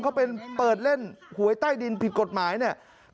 เขาเป็นเปิดเล่นหวยใต้ดินผิดกฎหมายเนี่ย